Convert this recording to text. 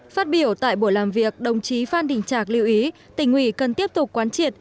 phát biểu tại buổi làm việc đồng chí phan đình trạc lưu ý tỉnh ủy cần tiếp tục quán triệt